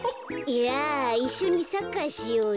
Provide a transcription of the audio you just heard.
いっしょにサッカーしようよ。